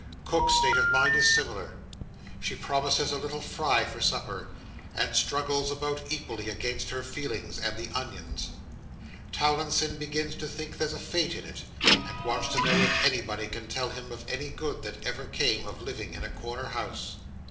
Cook's state of mind is similar. She promises a little fry for supper, and struggles about equally against her feelings and the onions. Towlinson begins to think there's a fate in it, and wants to know if anybody can tell him of any good that ever came of living in a corner house.